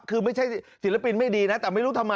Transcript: คือไม่ใช่ศิลปินไม่ดีนะแต่ไม่รู้ทำไม